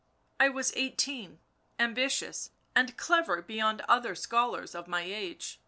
I was eighteen, ambitious and clever beyond other scholars of my age.